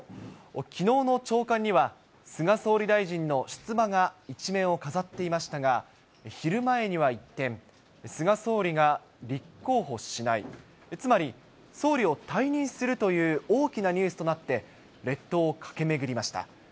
きのうの朝刊には、菅総理大臣の出馬が１面を飾っていましたが、昼前には一転、菅総理が立候補しない、つまり、総理を退任するという大きなニュースとなって、列島を駆け巡りました。